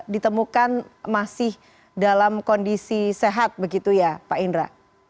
ditemukan masih dalam kondisi sehat begitu ya pak indra